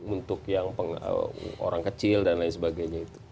untuk yang orang kecil dan lain sebagainya itu